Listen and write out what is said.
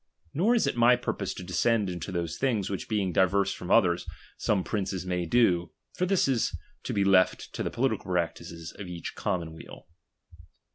Nor is it ray purpose to descend into those things, which being diverse from others, some princes may do, for this is to be left to the political practices of each commonweal.